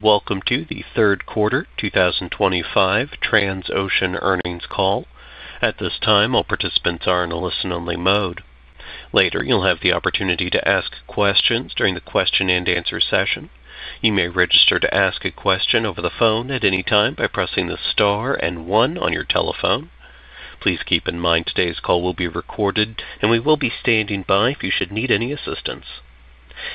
Welcome to the third quarter 2025 Transocean earnings call. At this time, all participants are in a listen only mode. Later, you'll have the opportunity to ask questions during the question and answer session. You may register to ask a question over the phone at any time by pressing the star and one on your telephone. Please keep in mind today's call will be recorded, and we will be standing by if you should need any assistance.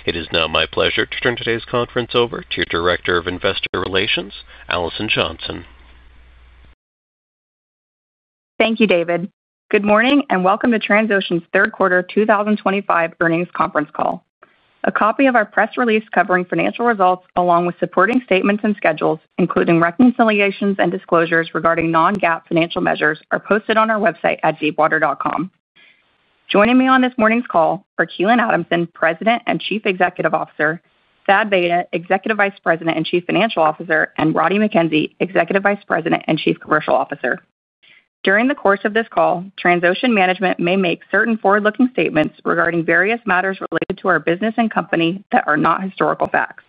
It is now my pleasure to turn today's conference over to your Director of Investor Relations, Alison Johnson. Thank you, David. Good morning and welcome to Transocean's third quarter 2025 earnings conference call. A copy of our press release covering financial results, along with supporting statements and schedules, including reconciliations and disclosures regarding non-GAAP financial measures, are posted on our website at deepwater.com. Joining me on this morning's call are Keelan Adamson, President and Chief Executive Officer; Thad Vayda, Executive Vice President and Chief Financial Officer; and Roddie Mackenzie, Executive Vice President and Chief Commercial Officer. During the course of this call, Transocean management may make certain forward-looking statements regarding various matters related to our business and company that are not historical facts.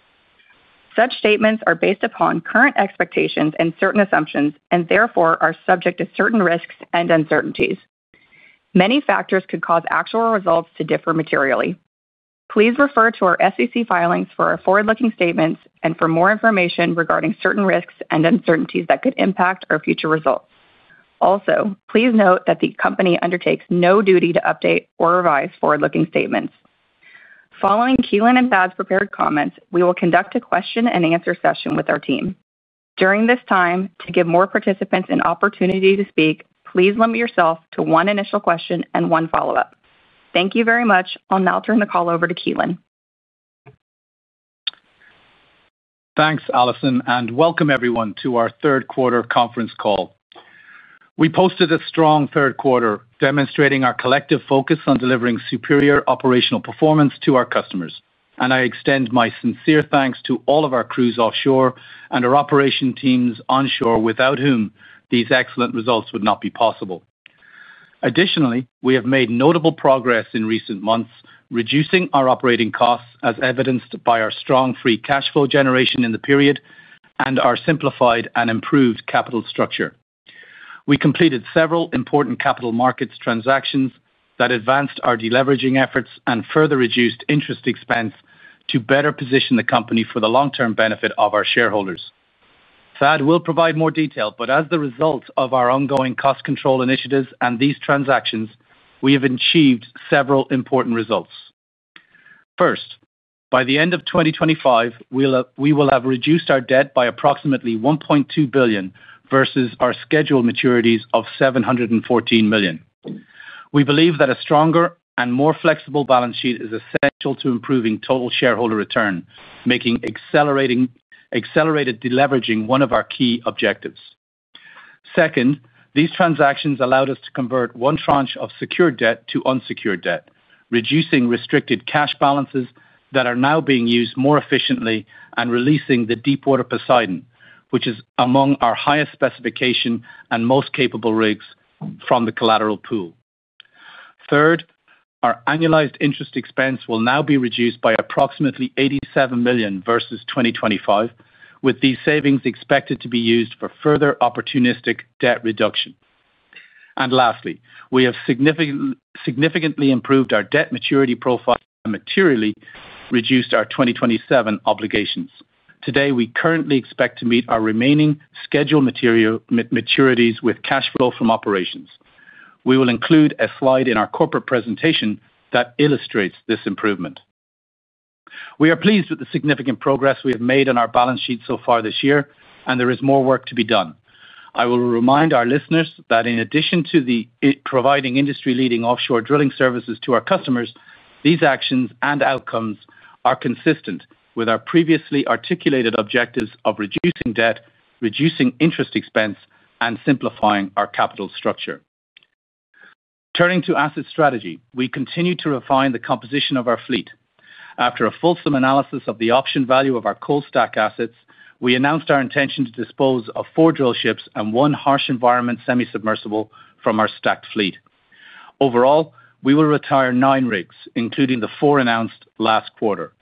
Such statements are based upon current expectations and certain assumptions and therefore are subject to certain risks and uncertainties. Many factors could cause actual results to differ materially. Please refer to our SEC filings for our forward-looking statements and for more information regarding certain risks and uncertainties that could impact our future results. Also, please note that the company undertakes no duty to update or revise forward-looking statements. Following Keelan and Thad's prepared comments, we will conduct a question and answer session with our team. During this time, to give more participants an opportunity to speak, please limit yourself to one initial question and one follow-up. Thank you very much. I'll now turn the call over to Keelan. Thanks Alison and welcome everyone to our third quarter conference call. We posted a strong third quarter, demonstrating our collective focus on delivering superior operational performance to our customers. I extend my sincere thanks to all of our crews offshore and our operation teams onshore, without whom these excellent results would not be possible. Additionally, we have made notable progress in recent months reducing our operating costs, as evidenced by our strong free cash flow generation in the period and our simplified and improved capital structure. We completed several important capital markets transactions that advanced our deleveraging efforts and further reduced interest expense to better position the company for the long-term benefit of our shareholders. Thad will provide more detail, but as the result of our ongoing cost control initiatives and these transactions, we have achieved several important results. First, by the end of 2025, we will have reduced our debt by approximately $1.2 billion versus our scheduled maturities of $714 million. We believe that a stronger and more flexible balance sheet is essential to improving total shareholder return, making accelerated deleveraging one of our key objectives. Second, these transactions allowed us to convert one tranche of secured debt to unsecured debt, reducing restricted cash balances that are now being used more efficiently and releasing the Deepwater Poseidon, which is among our highest specification and most capable rigs, from the collateral pool. Third, our annualized interest expense will now be reduced by approximately $87 million versus 2025, with these savings expected to be used for further opportunistic debt reduction. Lastly, we have significantly improved our debt maturity profile and materially reduced our 2027 obligations. Today, we currently expect to meet our remaining scheduled maturities with cash flow from operations. We will include a slide in our corporate presentation that illustrates this improvement. We are pleased with the significant progress we have made on our balance sheet so far this year and there is more work to be done. I will remind our listeners that in addition to providing industry-leading offshore drilling services to our customers, these actions and outcomes are consistent with our previously articulated objectives of reducing debt, reducing interest expense, and simplifying our capital structure. Turning to asset strategy, we continue to refine the composition of our fleet. After a fulsome analysis of the option value of our cold stack assets, we announced our intention to dispose of four drillships and one harsh environment semi-submersible from our stacked fleet. Overall, we will retire nine rigs, including the four announced last quarter,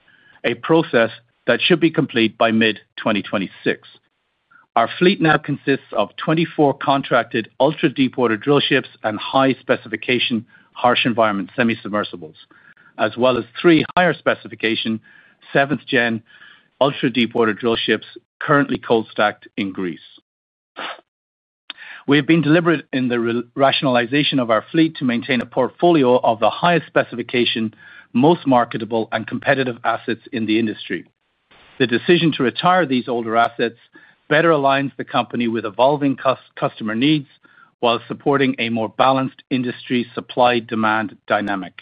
a process that should be complete by mid-2026. Our fleet now consists of 24 contracted ultra-deepwater drillships and high-specification harsh environment semi-submersibles, as well as three higher specification seventh gen ultra-deepwater drillships currently cold stacked in Greece. We have been deliberate in the rationalization of our fleet to maintain a portfolio of the highest specification, most marketable, and competitive assets in the industry. The decision to retire these older assets better aligns the company with evolving costs and customer needs while supporting a more balanced industry supply-demand dynamic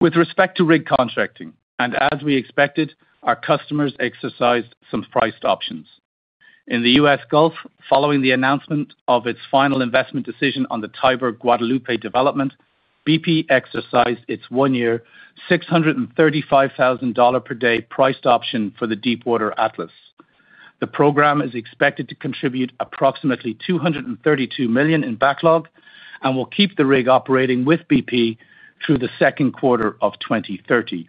with respect to rig contracting. As we expected, our customers exercised some priced options in the U.S. Gulf. Following the announcement of its final investment decision on the Tiber-Guadalupe development, BP exercised its one-year $635,000 per day priced option for the Deepwater Atlas. The program is expected to contribute approximately $232 million in backlog and will keep the rig operating with BP through the second quarter of 2030.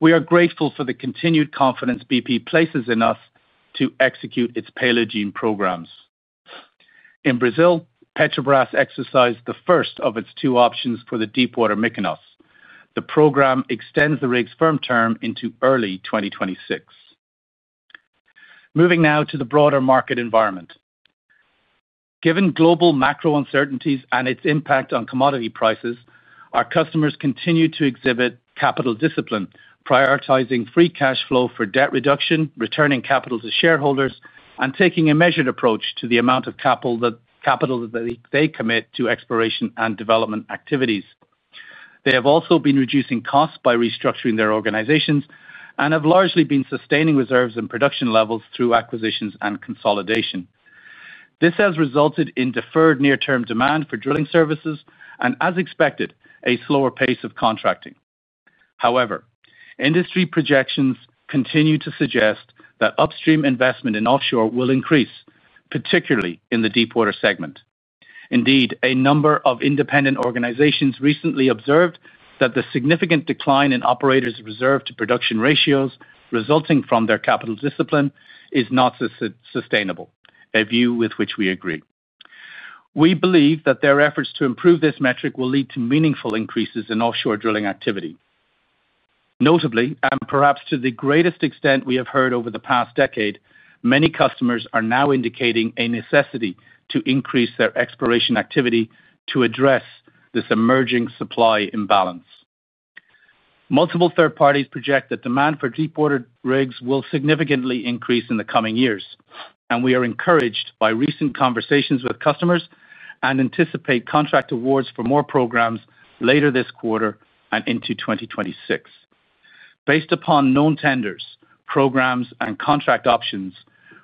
We are grateful for the continued confidence BP places in us to execute its Paleogene programs. In Brazil, Petrobras exercised the first of its two options for the Deepwater Mykonos. The program extends the rig's firm term into early 2026. Moving now to the broader market environment, given global macro uncertainties and its impact on commodity prices, our customers continue to exhibit capital discipline, prioritizing free cash flow for debt reduction, returning capital to shareholders, and taking a measured approach to the amount of capital that they commit to exploration and development activities. They have also been reducing costs by restructuring their organizations and have largely been sustaining reserves and production levels through acquisitions and consolidation. This has resulted in deferred near-term demand for drilling services and, as expected, a slower pace of contracting. However, industry projections continue to suggest that upstream investment in offshore will increase, particularly in the deepwater segment. Indeed, a number of independent organizations recently observed that the significant decline in operators' reserve to production ratios resulting from their capital discipline is not sustainable, a view with which we agree. We believe that their efforts to improve this metric will lead to meaningful increases in offshore drilling activity. Notably, and perhaps to the greatest extent we have heard over the past decade, many customers are now indicating a necessity to increase their exploration activity to address this emerging supply imbalance. Multiple third parties project that demand for deepwater rigs will significantly increase in the coming years, and we are encouraged by recent conversations with customers and anticipate contract awards for more programs later this quarter and into 2026. Based upon known tenders, programs, and contract options,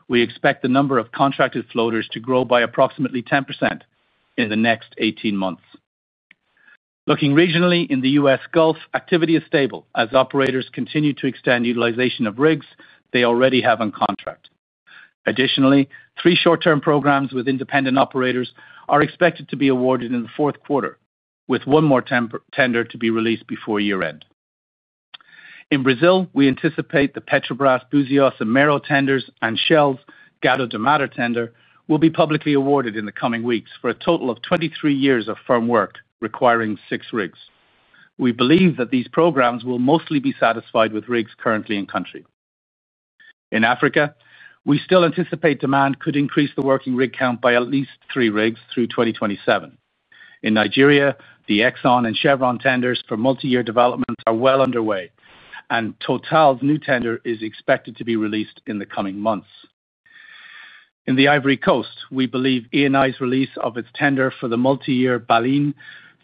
we expect the number of contracted floaters to grow by approximately 10% in the next 18 months. Looking regionally, in the U.S. Gulf activity is stable as operators continue to extend utilization of rigs they already have on contract. Additionally, three short-term programs with independent operators are expected to be awarded in the fourth quarter, with one more tender to be released before year end. In Brazil, we anticipate the Petrobras Búzios Mero tenders and Shell's and Gato do Mato tender will be publicly awarded in the coming weeks for a total of 23 years of firm work requiring six rigs. We believe that these programs will mostly be satisfied with rigs currently in country. In Africa, we still anticipate demand could increase the working rig count by at least three rigs through 2027. In Nigeria, the Exxon and Chevron tenders for multi-year developments are well underway, and Total's new tender is expected to be released in the coming months. In the Ivory Coast, we believe Eni's release of its tender for the multi-year Baleine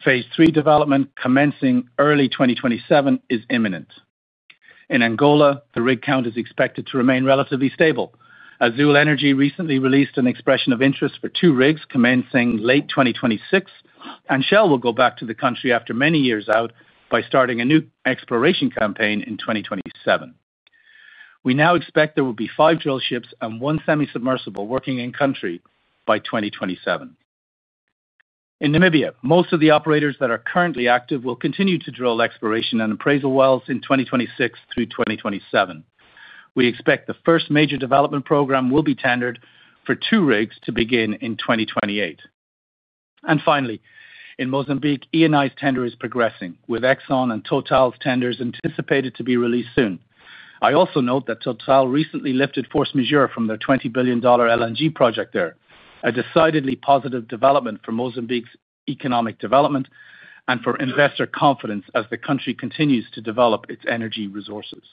phase III development commencing early 2027 is imminent. In Angola, the rig count is expected to remain relatively stable. Azule Energy recently released an expression of interest for two rigs commencing late 2026, and Shell will go back to the country after many years out by starting a new exploration campaign in 2027. We now expect there will be five drillships and one semi-submersible working in country by 2027. In Namibia, most of the operators that are currently active will continue to drill exploration and appraisal wells in 2026 through 2027. We expect the first major development program will be tendered for two rigs to begin in 2028. Finally, in Mozambique, Eni's tender is progressing with Exxon and Total's tenders anticipated to be released soon. I also note that Total recently lifted force majeure from their $20 billion LNG project there, a decidedly positive development for Mozambique's economic development and for investor confidence as the country continues to develop its energy resources.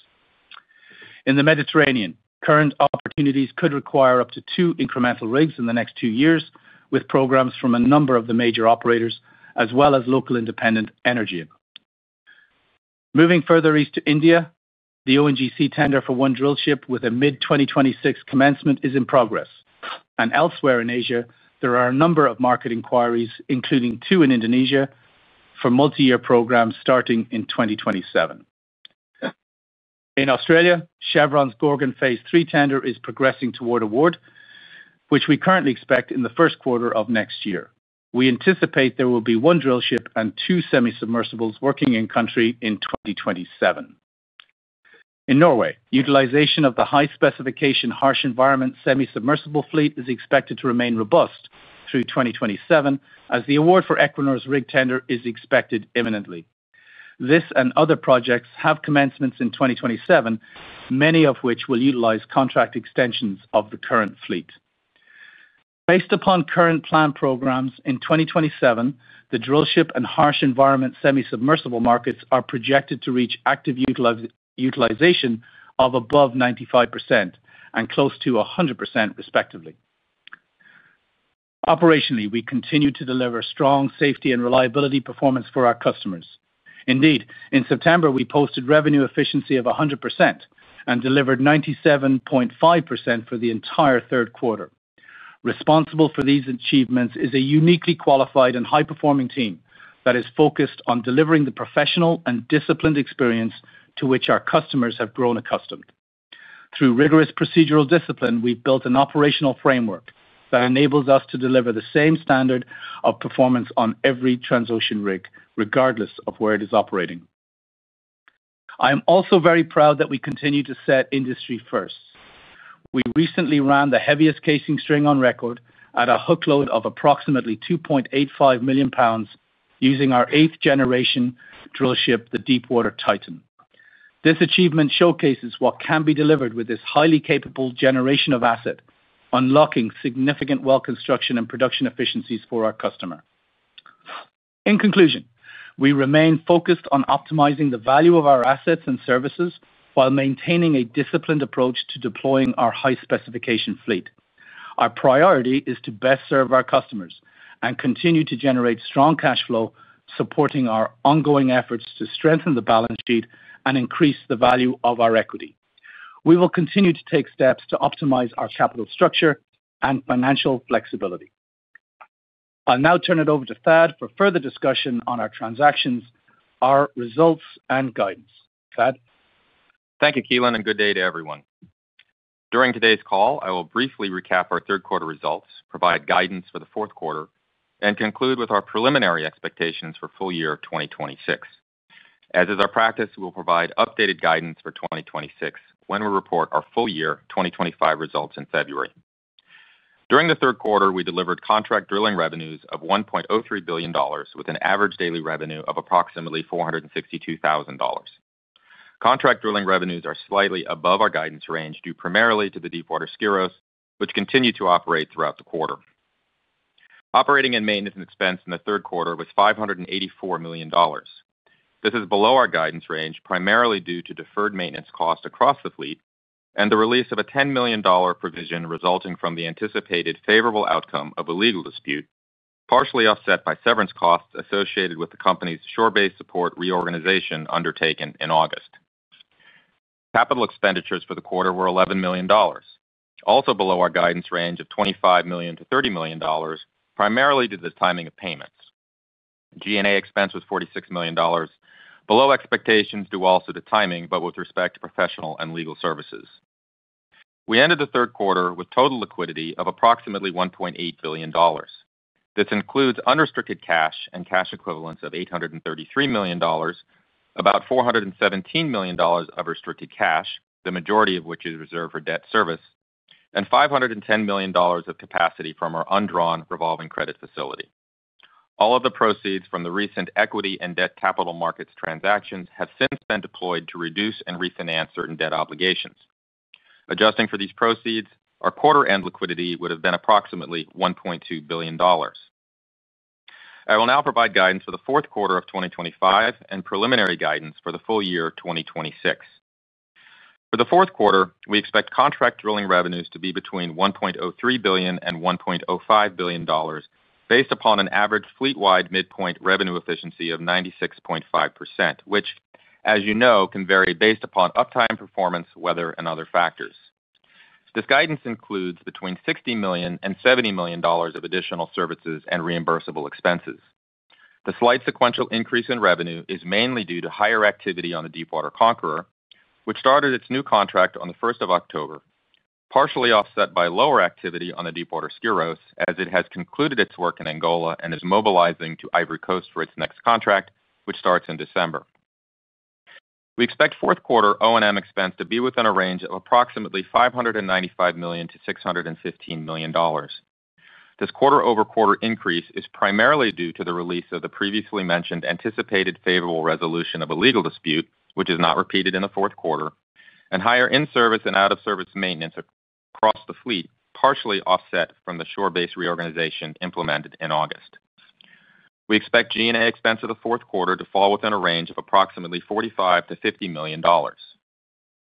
In the Mediterranean, current opportunities could require up to two incremental rigs in the next two years with programs from a number of the major operators as well as local independent energy. Moving further east to India, the ONGC tender for one drillship with a mid-2026 commencement is in progress and elsewhere in Asia there are a number of market inquiries including two in Indonesia for multi-year programs starting in 2027. In Australia, Chevron's Gorgon phase III tender is progressing toward award, which we currently expect in the first quarter of next year. We anticipate there will be one drillship and two semi-submersibles working in country in 2027. In Norway, utilization of the high-specification harsh environment semi-submersible fleet is expected to remain robust through 2027 as the award for Equinor's rig tender is expected imminently. This and other projects have commencements in 2027, many of which will utilize contract extensions on the current fleet based upon current planned programs. In 2027, the drillship and harsh environment semi-submersible markets are projected to reach active utilization of above 95% and close to 100%, respectively. Operationally, we continue to deliver strong safety and reliability performance for our customers. Indeed, in September we posted revenue efficiency of 100% and delivered 97.5% for the entire third quarter. Responsible for these achievements is a uniquely qualified and high-performing team that is focused on delivering the professional and disciplined experience to which our customers have grown accustomed through rigorous procedural discipline. We have built an operational framework that enables us to deliver the same standard of performance on every Transocean rig regardless of where it is operating. I am also very proud that we continue to set industry firsts. We recently ran the heaviest casing string on record at a hook load of approximately 2.85 million lbs using our 8th generation drillship, the Deepwater Titan. This achievement showcases what can be delivered with this highly capable generation of asset, unlocking significant well construction and production efficiencies for our customer. In conclusion, we remain focused on optimizing the value of our assets and services while maintaining a disciplined approach to deploying our high specification fleet. Our priority is to best serve our customers and continue to generate strong cash flow, supporting our ongoing efforts to strengthen the balance sheet and increase the value of our equity. We will continue to take steps to optimize our capital structure and financial flexibility. I'll now turn it over to Thad for further discussion on our transactions, our results and guidance. Thad. Thank you, Keelan. Good day to everyone. During today's call I will briefly recap our third quarter results, provide guidance for the fourth quarter, and conclude with our preliminary expectations for full year 2026. As is our practice, we will provide updated guidance for 2026 when we report our full year 2025 results in February. During the third quarter, we delivered contract drilling revenues of $1.03 billion with an average daily revenue of approximately $462,000. Contract drilling revenues are slightly above our guidance range due primarily to the Deepwater Skyros, which continued to operate throughout the quarter. Operating and maintenance expense in the third quarter was $584 million. This is below our guidance range primarily due to deferred maintenance cost across the fleet and the release of a $10 million provision resulting from the anticipated favorable outcome of a legal dispute, partially offset by severance costs associated with the company's shore-based support reorganization undertaken in August. Capital expenditures for the quarter were $11 million, also below our guidance range of $25 million-$30 million, primarily due to the timing of payments. G&A expense was $46 million, below expectations due also to timing, but with respect to professional and legal services. We ended the third quarter with total liquidity of approximately $1.8 billion. This includes unrestricted cash and cash equivalents of $833 million, about $417 million of restricted cash, the majority of which is reserved for debt service, and $510 million of capacity from our undrawn revolving credit facility. All of the proceeds from the recent equity and debt capital markets transactions have since been deployed to reduce and refinance certain debt obligations. Adjusting for these proceeds, our quarter-end liquidity would have been approximately $1.2 billion. I will now provide guidance for the fourth quarter of 2025 and preliminary guidance for the full year 2026. For the fourth quarter, we expect contract drilling revenues to be between $1.03 billion and $1.05 billion based upon an average fleet-wide midpoint revenue efficiency of 96.5%, which, as you know, can vary based upon uptime, performance, weather, and other factors. This guidance includes between $60 million and $70 million of additional services and reimbursable expenses. The slight sequential increase in revenue is mainly due to higher activity on the Deepwater Conqueror, which started its new contract on the 1st of October, partially offset by lower activity on the Deepwater Skyros as it has concluded its work in Angola and is mobilizing to Ivory Coast for its next contract, which starts in December. We expect fourth quarter O&M expense to be within a range of approximately $595 million-$615 million. This quarter-over-quarter increase is primarily due to the release of the previously mentioned anticipated favorable resolution of a legal dispute, which is not repeated in the fourth quarter, and higher in-service and out-of-service maintenance across the fleet, partially offset from the shore-based reorganization implemented in August. We expect G&A expense for the fourth quarter to fall within a range of approximately $45 million-$50 million.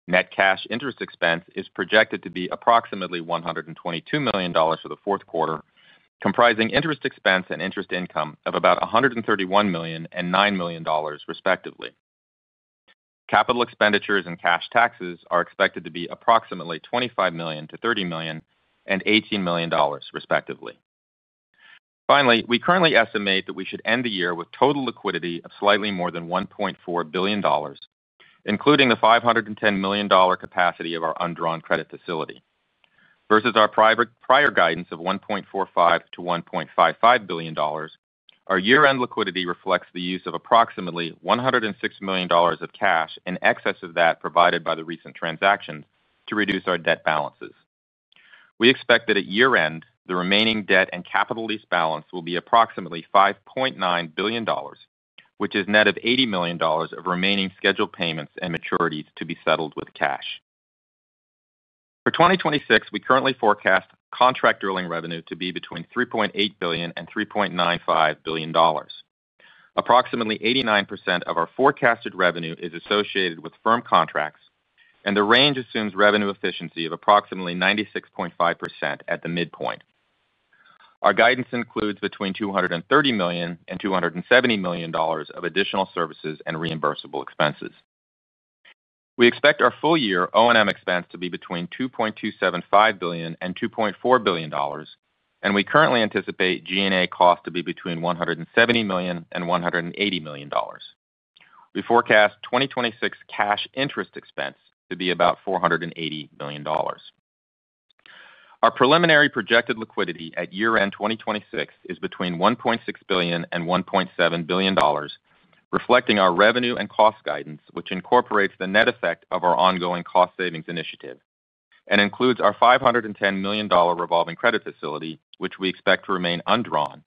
Net cash interest expense is projected to be approximately $122 million for the fourth quarter, comprising interest expense and interest income of about $131 million and $9 million, respectively. Capital expenditures and cash taxes are expected to be approximately $25 million-$30 million and $18 million, respectively. Finally, we currently estimate that we should end the year with total liquidity of slightly more than $1.4 billion, including the $510 million capacity of our undrawn credit facility versus our prior guidance of $1.45 billion-$1.55 billion. Our year-end liquidity reflects the use of approximately $106 million of cash in excess of that provided by the recent transactions to reduce our debt balances. We expect that at year-end the remaining debt and capital lease balance will be approximately $5.9 billion, which is net of $80 million of remaining scheduled payments and maturities to be settled with cash for 2026. We currently forecast contract drilling revenue to be between $3.8 billion and $3.95 billion. Approximately 89% of our forecasted revenue is associated with firm contracts, and the range assumes revenue efficiency of approximately 96.5% at the midpoint. Our guidance includes between $230 million and $270 million of additional services and reimbursable expenses. We expect our full year O&M expense to be between $2.275 billion and $2.4 billion, and we currently anticipate G&A cost to be between $170 million and $180 million. We forecast 2026 cash interest expense to be about $480 million. Our preliminary projected liquidity at year end 2026 is between $1.6 billion and $1.7 billion, reflecting our revenue and cost guidance, which incorporates the net effect of our ongoing cost savings initiative and includes our $510 million revolving credit facility, which we expect to remain undrawn,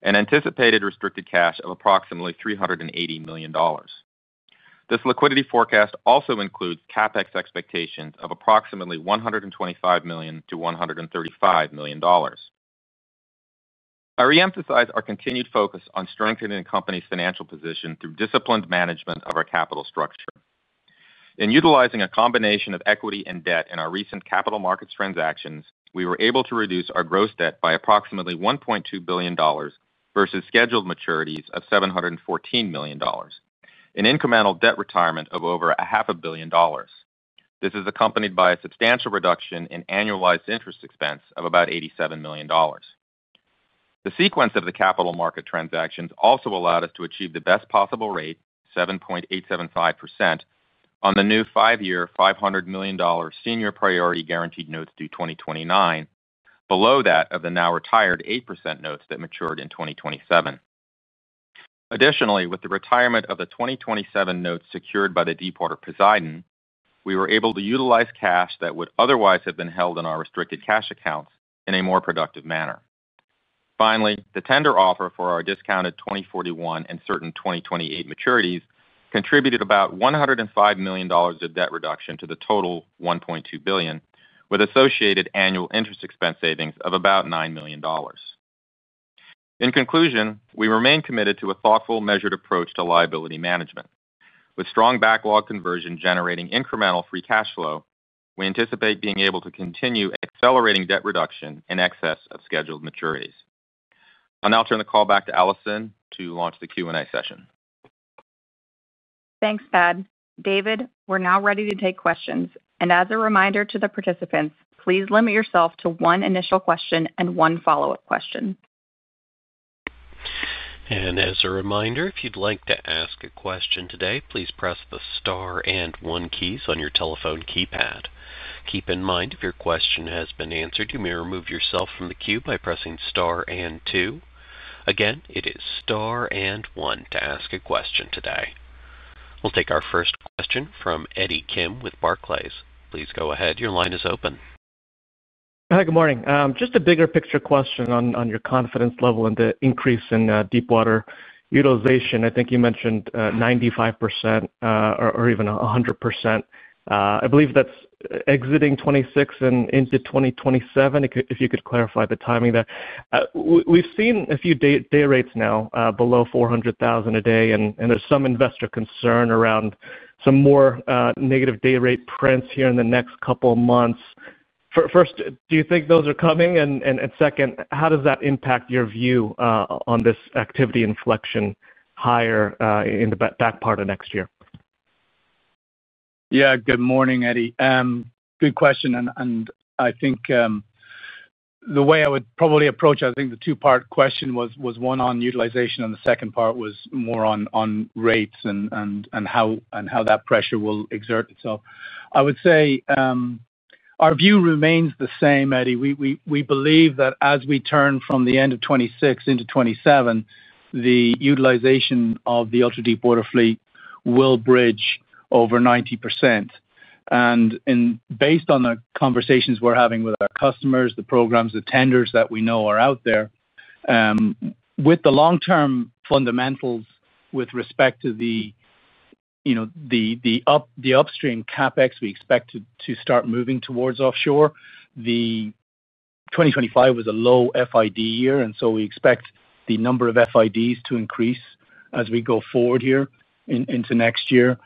and anticipated restricted cash of approximately $380 million. This liquidity forecast also includes CapEx expectations of approximately $125 million-$135 million. I re-emphasize our continued focus on strengthening the company's financial position through disciplined management of our capital structure. In utilizing a combination of equity and debt in our recent capital markets transactions, we were able to reduce our gross debt by approximately $1.2 billion versus scheduled maturities of $714 million, an incremental debt retirement of over $500 million. This is accompanied by a substantial reduction in annualized interest expense of about $87 million. The sequence of the capital markets transactions also allowed us to achieve the best possible rate, 7.875%, on the new five-year $500 million senior priority guaranteed notes due 2029, below that of the now retired 8% notes that matured in 2027. Additionally, with the retirement of the 2027 notes secured by the Deepwater Poseidon, we were able to utilize cash that would otherwise have been held in our restricted cash accounts in a more productive manner. Finally, the tender offer for our discounted 2041 and certain 2028 maturities contributed about $105 million of debt reduction to the total $1.2 billion, with associated annual interest expense savings of about $9 million. In conclusion, we remain committed to a thoughtful, measured approach to liability management. With strong backlog conversion generating incremental free cash flow, we anticipate being able to continue accelerating debt reduction in excess of scheduled maturities. I'll now turn the call back to Alison to launch the Q&A session. Thanks, Thad. David, we're now ready to take questions. As a reminder to the participants, please limit yourself to one initial question and one follow up question. As a reminder, if you'd like to ask a question today, please press the star and one keys on your telephone keypad. Keep in mind if your question has been answered, you may remove yourself from the queue by pressing star and two. Again, it is star and one to ask a question today. We'll take our first question from Eddie Kim with Barclays. Please go ahead. Your line is open. Hi, good morning. Just a bigger picture question on your confidence level and the increase in deepwater utilization. I think you mentioned 95% or even 100%. I believe that's exiting 2026 and into 2027. If you could clarify the timing there. We've seen a few day rates now below $400,000 a day, and there's some investor concern around some more negative day rate prints here in the next couple months. First, do you think those are coming? Second, how does that impact your view on this activity inflection higher in the back part of next year? Yeah, good morning, Eddie. Good question. I think the way I would probably approach, I think the two-part question was one on utilization and the second part was more on rates and how that pressure will exert itself. I would say our view remains the same, Eddie. We believe that as we turn from the end of 2026 into 2027, the utilization of the ultra-deepwater fleet will bridge over 90%. Based on the conversations we're having with our customers, the programs, the tenders that we know are out there with the long-term fundamentals with respect to the upstream CapEx, we expect to start moving towards offshore. 2025 was a low FID year and we expect the number of FIDs to increase as we go forward here into next year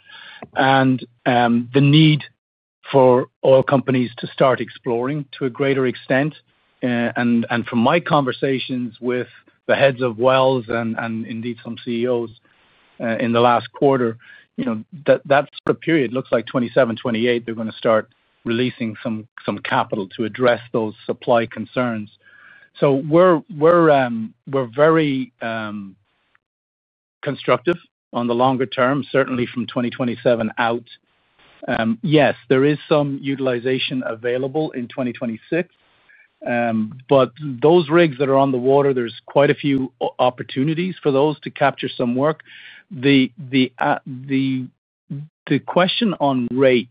and the need for oil companies to start exploring to a greater extent. From my conversations with the heads of wells and indeed some CEOs in the last quarter, that sort of period looks like 2027, 2028. They're going to start releasing some capital to address those supply concerns. We are very constructive on the longer term. Certainly from 2027 out, yes, there is some utilization available in 2026, but those rigs that are on the water, there's quite a few opportunities for those to capture some work. The question on rate,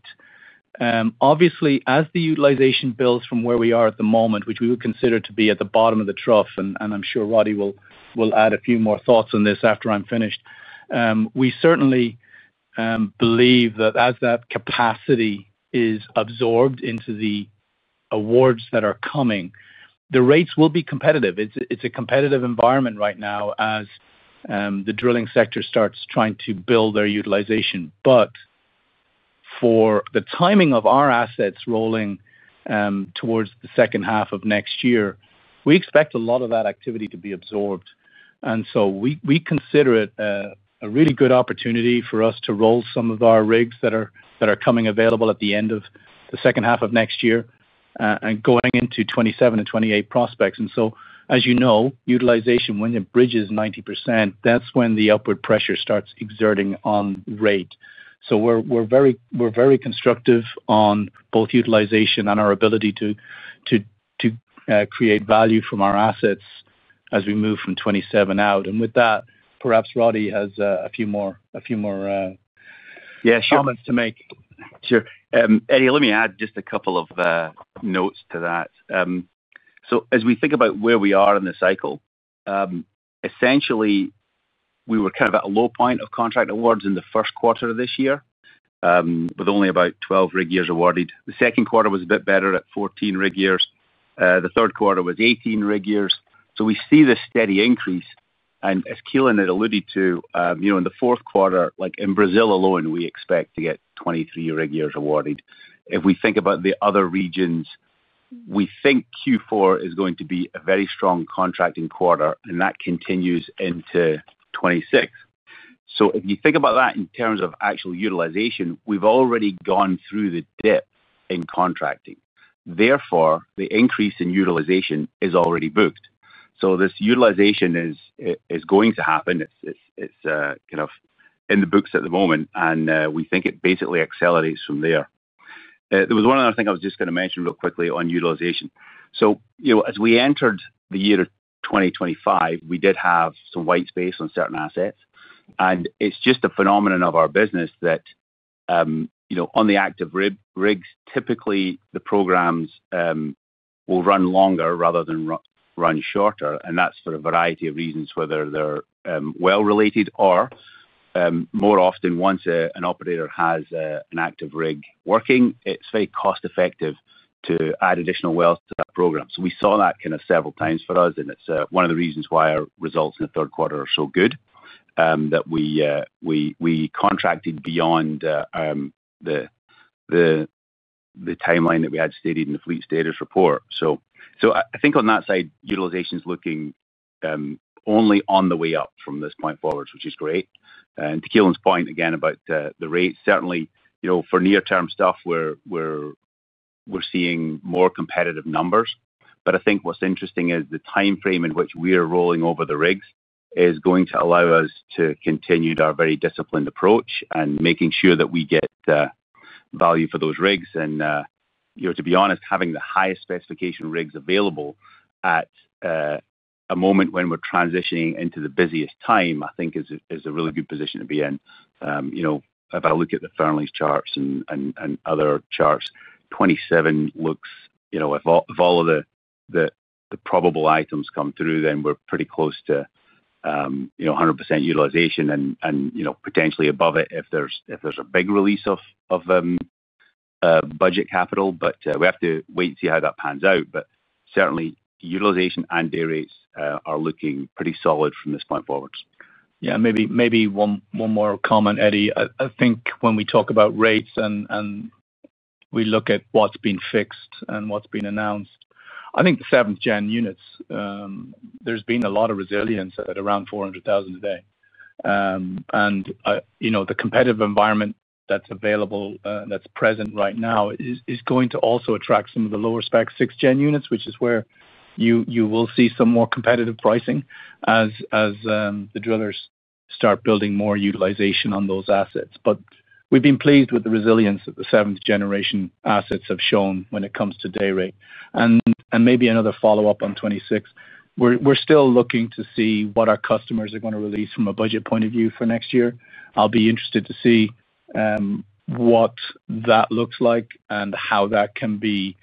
obviously as the utilization builds from where we are at the moment, which we would consider to be at the bottom of the trough, and I'm sure Roddie will add a few more thoughts on this after I'm finished, we certainly believe that as that capacity is absorbed into the awards that are coming, the rates will be competitive. It's a competitive environment right now as the drilling sector starts trying to build their utilization. For the timing of our assets rolling towards the second half of next year, we expect a lot of that activity to be absorbed. We consider it a really good opportunity for us to roll some of our rigs that are coming available at the end of the second half of next year and going into 2027 and 2028 prospects. As you know, utilization, when it bridges 90%, that's when the upward pressure starts exerting on rate. We are very constructive on both utilization and our ability to create value from our assets as we move from 2027 out. With that, perhaps Roddie has a few more comments to make. Sure, Eddie, let me add just a couple of notes to that. As we think about where we are in the cycle, essentially we were kind of at a low point. Contract awards in the first quarter. This year with only about 12 rig years awarded. The second quarter was a bit better at 14 rig years. The third quarter was 18 rig years. We see this steady increase. As Keelan had alluded to, in the fourth quarter in Brazil alone, we expect to get 23 rig years awarded. If we think about the other regions, we think Q4 is going to be a very strong contracting quarter and that continues into 2026. If you think about that in terms of actual utilization, we've already gone through the dip in contracting. Therefore, the increase in utilization is already booked. This utilization is going to happen. It's kind of in the books at the moment and we think it basically accelerates from there. There was one other thing I was just going to mention real quickly on utilization. As we entered the year 2025, we did have some white space on certain assets. It's just a phenomenon of our business that on the active rigs, typically the programs will run longer rather than run shorter. That's for a variety of reasons, whether they're well related or more often, once an operator has an active rig working, it's very cost effective to add additional wells to that program. We saw that kind of several times for us. It's one of the reasons why our results in the third quarter are so good that we contracted beyond. The. The timeline that we had stated in the Fleet Status Report, I think on that side utilization is looking only on the way up from this point forward, which is great. To Keelan's point again about the rate, certainly for near term stuff we're seeing more competitive numbers. What's interesting is the timeframe in which we are rolling over the rigs is going to allow us to continue our very disciplined approach and making sure that we get value for those rigs. To be honest, having the highest specification rigs available at a moment when we're transitioning into the busiest time I think is a really good position to be in. If I look at the Fearnley's charts and other charts, 2027 looks, if all of the probable items come through, then we're pretty close to 100% utilization and potentially above it if there's a big. Release of. We have to wait and see how that pans out. Certainly, utilization and day rates are looking pretty solid from this point forward. Yeah, maybe one more comment, Eddie. I think when we talk about rates and we look at what's been fixed and what's been announced, I think the 7th gen units, there's been a lot of resilience at around $400,000 today. You know, the competitive environment that's available, that's present right now, is going to also attract some of the lower spec 6th gen units, which is where you will see some more competitive pricing as the drillers start building more utilization on those assets. We've been pleased with the resilience that the seventh generation assets have shown when it comes to day rate. Maybe another follow up on 2026. We're still looking to see what our customers are going to release from a budget point of view for next year. I'll be interested to see what that looks like and how that can be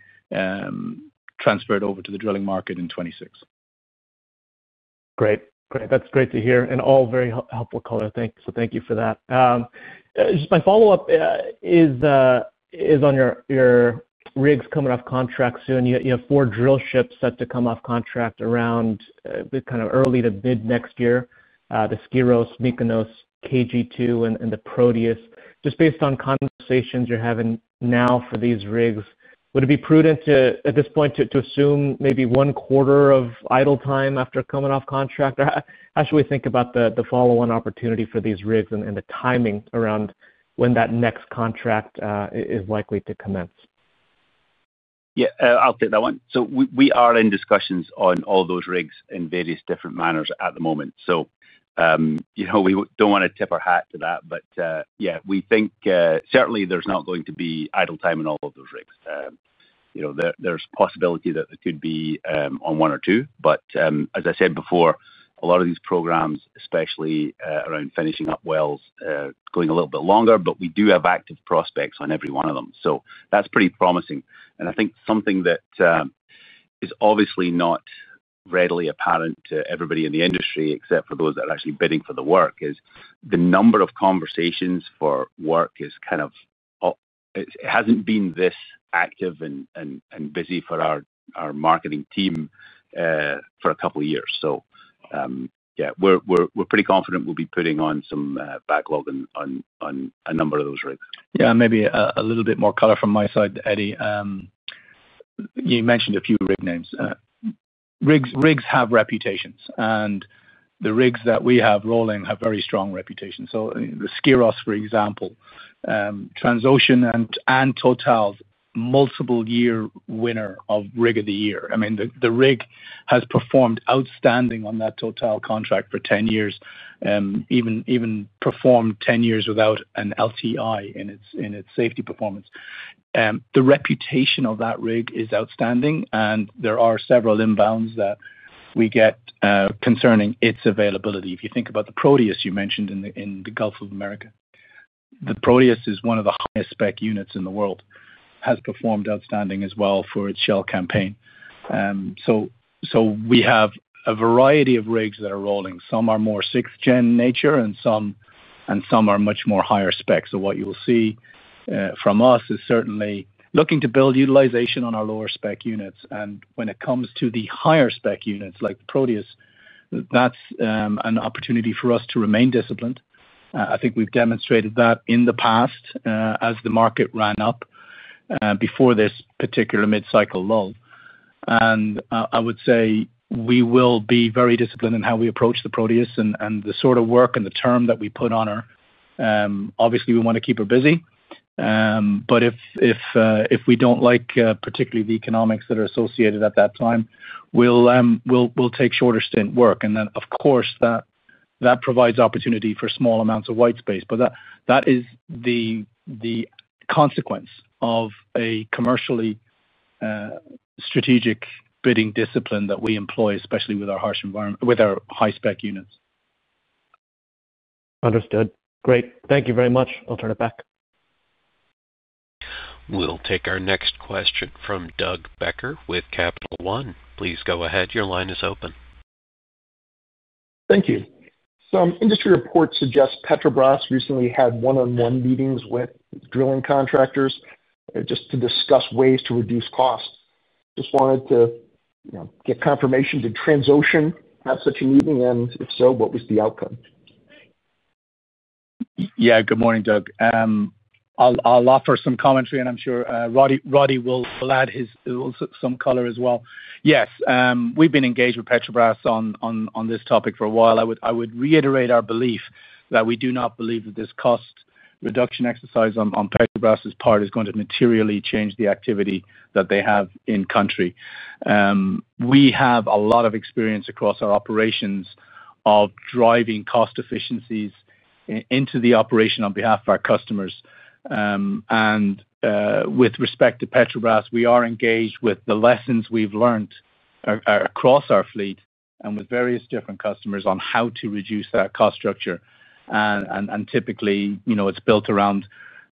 transferred over to the drilling market in 2026. Great, that's great to hear and all very helpful color. Thank you for that. Just my follow up is on your rigs coming off contract soon. You have four drillships set to come off contract around early to mid next year: the Skyros, Mykonos, KG2, and the Proteus. Just based on conversations you're having now for these rigs, would it be prudent at this point to assume maybe 1/4 of idle time after coming off contract? How should we think about the follow on opportunity for these rigs and the timing around when that next contract is likely to commence? Yeah, I'll take that one. We are in discussions on all those rigs in various different manners at the moment. We don't want to tip our hat to that, but we think certainly there's not going to be idle time in all of those rigs. There's a possibility that it could be on one or two, but as I said before, a lot of these programs, especially around finishing up wells, are going a little bit longer. We do have active prospects on every one of them, so that's pretty promising. I think something that is obviously not readily apparent to everybody in the industry except for those that are actually bidding for the work is the number of conversations for work. It hasn't been this active and busy for our marketing team for a couple of years. We're pretty confident we'll be putting on some backlog on a number of those rigs. Yeah, maybe a little bit more color from my side. Eddie, you mentioned a few rig names. Rigs have reputations and the rigs that we have rolling have very strong reputation. Skyros, for example, Transocean and Total multiple year winner of Rig of the Year. I mean the rig has performed outstanding on that Total contract for 10 years, even performed 10 years without an LTI in its safety performance. The reputation of that rig is outstanding and there are several inbounds that we get concerning its availability. If you think about the Proteus you mentioned in the Gulf of America, the Proteus is one of the highest spec units in the world, has performed outstanding as well for its Shell campaign. We have a variety of rigs that are rolling. Some are more 6th gen nature and some are much more higher spec. What you will see from us is certainly looking to build utilization on our lower spec units. When it comes to the higher spec units like Proteus, that's an opportunity for us to remain disciplined. I think we've demonstrated that in the past as the market ran up before this particular mid cycle lull. I would say we will be very disciplined in how we approach the Proteus and the sort of work and the term that we put on her. Obviously we want to keep her busy, but if we don't like particularly the economics that are associated at that time, we'll take shorter stint work and then of course that provides opportunity for small amounts of white space. That is the consequence of a commercially strategic bidding discipline that we employ, especially with our harsh environment with our high spec units. Understood. Great, thank you very much. I'll turn it back. We'll take our next question from Doug Becker with Capital One. Please go ahead. Your line is open. Thank you. Some industry reports suggest Petrobras recently had one-on-one meetings with drilling contractors just to discuss ways to reduce costs. Just wanted to get confirmation. Did Transocean have such a meeting, and if so, what was the outcome? Yeah, good morning Doug. I'll offer some commentary and I'm sure Roddie will add some color as well. Yes, we've been engaged with Petrobras on this topic for a while. I would reiterate our belief that we do not believe that this cost reduction exercise on Petrobras' part is going to materially change the activity that they have in country. We have a lot of experience across our operations of driving cost efficiencies into the operation. On behalf of our customers and with respect to Petrobras, we are engaged with the lessons we've learned across our fleet and with various different customers on how to reduce that cost structure. Typically, it's built around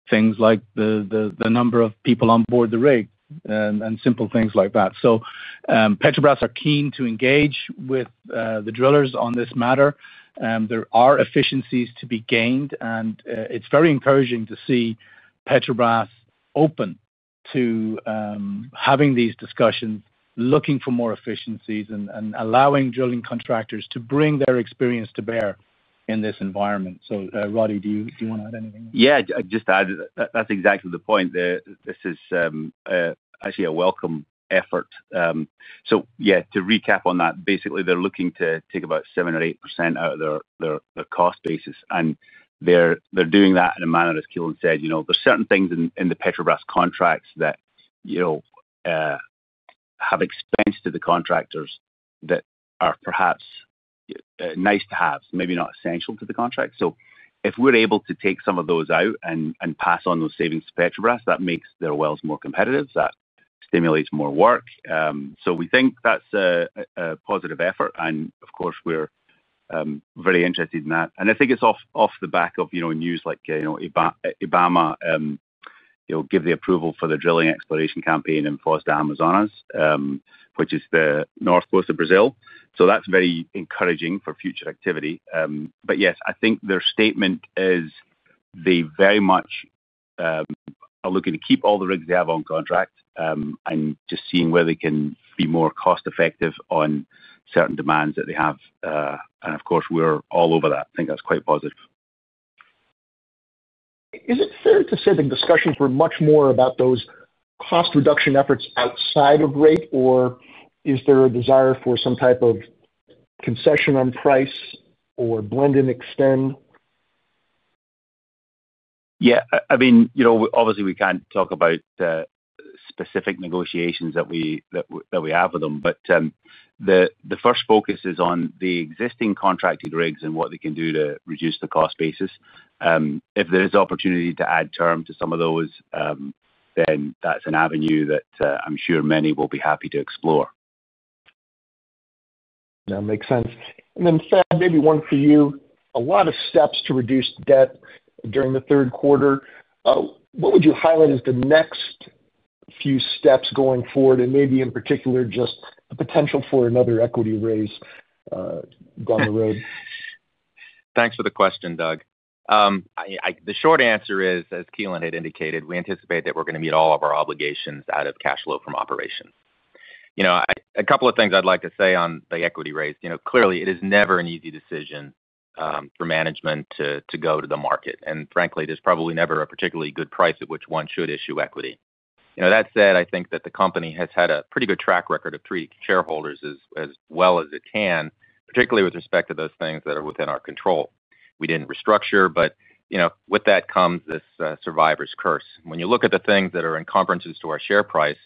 things like the number of people on board the rig and simple things like that. Petrobras are keen to engage with the drillers on this matter. There are efficiencies to be gained and it's very encouraging to see Petrobras open to having these discussions, looking for more efficiencies and allowing drilling contractors to bring their experience to bear in this environment. Roddie, do you want to add anything? Yeah, just add. That's exactly the point. This is actually a welcome effort. To recap on that, basically they're looking to take about 7% or 8% out of their cost basis, and they're doing that in a manner, as Keelan said. There are certain things in the Petrobras contracts. That. Have expense to the contractors that are perhaps nice to haves, maybe not essential to the contract. If we're able to take some of those out and pass on those savings to Petrobras, that makes their wells more competitive, that stimulates more work. We think that's a positive effort and of course we're very interested in that. I think it's off the back of news like give the approval for the drilling exploration campaign in Foz do Amazonas, which is the north coast of Brazil. That's very encouraging for future activity. Yes, I think their statement is they very much are looking to keep all the rigs they have on contract and just seeing where they can be more cost effective on certain demands that they have. Of course we're all over that. I think that's quite positive. Is it fair to say the discussions were much more about those cost reduction efforts outside of rate, or is there a desire for some type of concession on price or blend and extend? Yeah, obviously we can't talk about specific negotiations that we have with them, but the first focus is on the existing contracted rigs and what they can do to reduce the cost basis. If there is opportunity to add term to some of those, then that's an avenue that I'm sure many will be happy to explore. That makes sense. Thad, maybe one for you. A lot of steps to reduce debt during the third quarter. What would you highlight as the next few steps going forward? Maybe in particular just the potential for another equity raise down the road. Thanks for the question, Doug. The short answer is, as Keelan had indicated, we anticipate that we're going to meet all of our obligations out of cash flow from operations. A couple of things I'd like to say on the equity raise. Clearly, it is never an easy decision for management to go to the market, and frankly, there's probably never a particularly good price at which one should issue equity. That said, I think that the company has had a pretty good track record of treating shareholders as well as it can, particularly with respect to those things that are within our control. We didn't restructure. With that comes this survivor's curse. When you look at the things that are in conferences to our share price,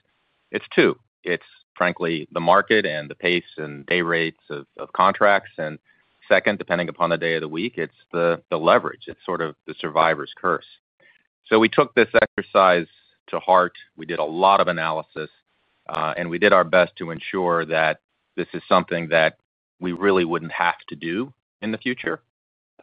it's two, it's frankly the market and the pace and day rates of contracts. Second, depending upon the day of the week, it's the leverage. It's sort of the survivor's curse. We took this exercise to heart. We did a lot of analysis and we did our best to ensure that this is something that we really wouldn't have to do in the future.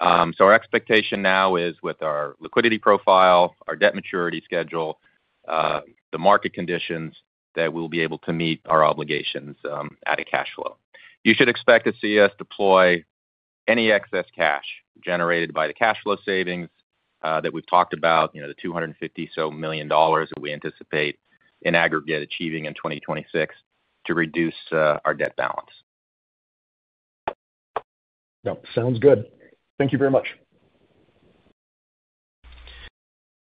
Our expectation now is with our liquidity profile, our debt maturity schedule, the market conditions, that we'll be able to meet our obligations at a cash flow. You should expect to see us deploy any excess cash generated by the cash flow savings that we've talked about, the $250 million or so that we anticipate aggregate achieving in 2026, to reduce our debt balance. Sounds good. Thank you very much.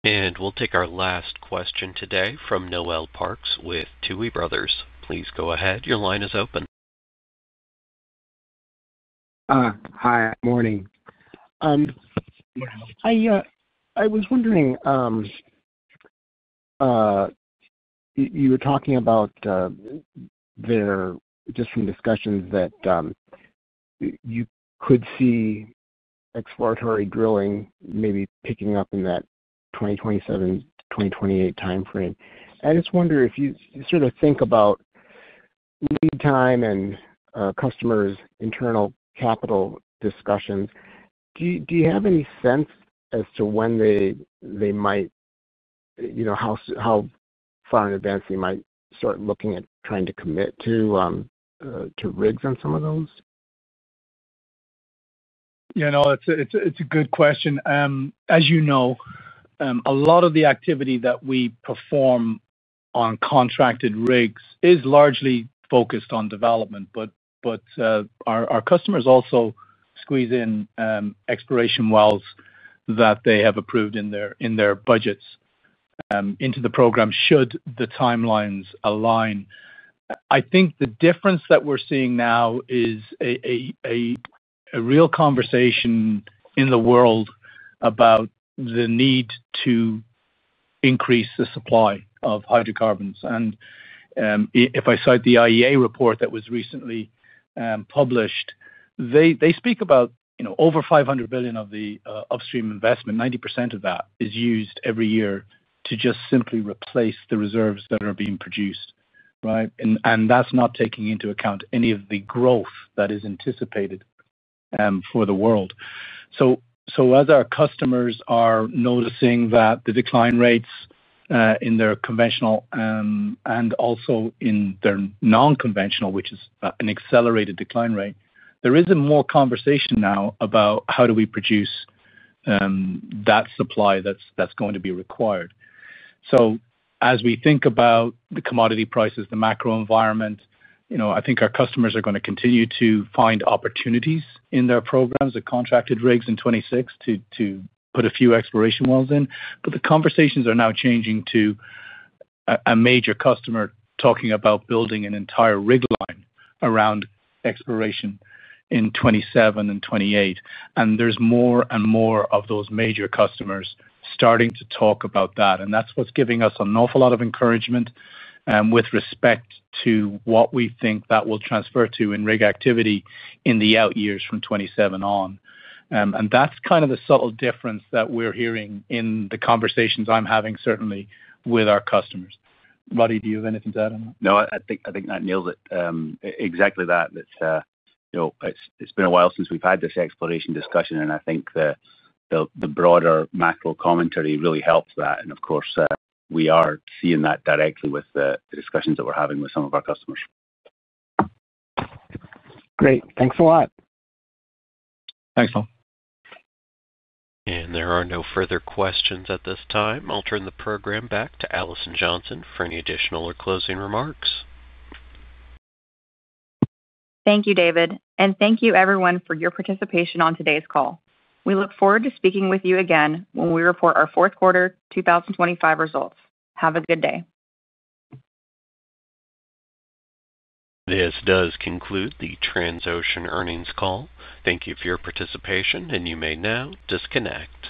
We'll take our last question today from Noel Parks with Tuohy Brothers. Please go ahead. Your line is open. Hi, good morning. I was wondering, you were talking about there just from discussions that you could see exploratory drilling maybe picking up in that 2027, 2028 time frame. I just wonder if you sort of think about lead time and customers' internal capital discussions, do you have any sense as to when they might, you know, how far in advance they might start looking at trying to commit to rigs on some of those? Yeah, no, it's a good question. As you know, a lot of the activity that we perform on contracted rigs is largely focused on development. Our customers also squeeze in exploration wells that they have approved in their budgets into the program should the timelines align. I think the difference that we're seeing now is a real conversation in the world about the need to increase the supply of hydrocarbons. If I cite the IEA report that was recently published, they speak about over $500 billion of the upstream investment, 90% of that is used every year to just simply replace the reserves that are being produced. That's not taking into account any of the growth that is anticipated for the world. As our customers are noticing that the decline rates in their conventional and also in their nonconventional, which is an accelerated decline rate, there is more conversation now about how do we produce that supply that's going to be required. As we think about the commodity prices, the macro environment, I think our customers are going to continue to find opportunities in their programs at contracted rigs in 2026 to put a few exploration wells in. The conversations are now changing to a major customer talking about building an entire rig line around exploration in 2027 and 2028. There are more and more of those major customers starting to talk about that. That's what's giving us an awful lot of encouragement with respect to what we think that will transfer to in rig activity in the out years from 2027 on. That's kind of the subtle difference that we're hearing in the conversations I'm having certainly with our customers. Roddie, do you have anything to add on that? No, I think that nails it exactly. It's been a while since we've had this exploration discussion, and I think the broader macro commentary really helps that. We are seeing that directly with the discussions that we're having. With some of our customers. Great, thanks a lot. Thanks Noel. There are no further questions at this time. I'll turn the program back to Alison Johnson for any additional or closing remarks. Thank you, David. Thank you everyone for your participation on today's call. We look forward to speaking with you again when we report our fourth quarter 2025 results. Have a good day. This does conclude the Transocean earnings call. Thank you for your participation, and you may now disconnect.